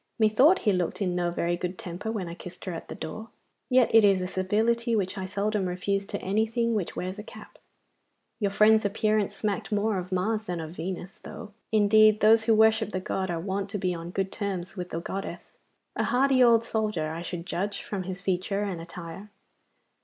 Methought he looked in no very good temper when I kissed her at the door. Yet it is a civility which I seldom refuse to anything which wears a cap. Your friend's appearance smacked more of Mars than of Venus, though, indeed, those who worship the god are wont to be on good terms with the goddess. A hardy old soldier, I should judge, from his feature and attire.